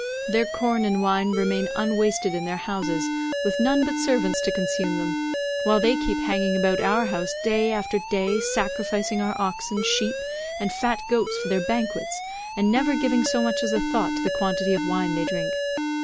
Their corn and wine remain unwasted in their houses with none but servants to consume them, while they keep hanging about our house day after day sacrificing our oxen, sheep, and fat goats for their banquets, and never giving so much as a thought to the quantity of wine they drink.